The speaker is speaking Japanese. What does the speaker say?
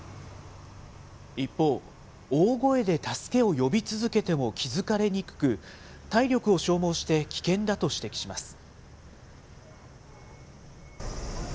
一方、大声で助けを呼び続けても気付かれにくく、体力を消耗して危険だと指摘します。